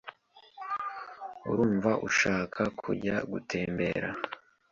Urumva ushaka kujya gutembera?